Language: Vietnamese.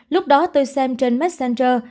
lúc đó tôi xem trên messenger